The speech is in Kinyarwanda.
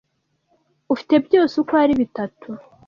ufite byose uko ari bitatu